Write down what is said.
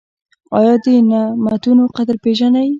ایا د نعمتونو قدر پیژنئ؟